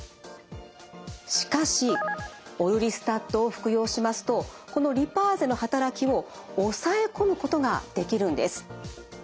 しかしオルリスタットを服用しますとこのリパーゼの働きを抑え込むことができるんです。